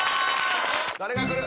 誰がくる？